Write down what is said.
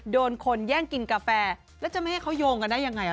โดนคนแย่งกินกาแฟแล้วจะไม่ให้เขาโยงกันได้ยังไง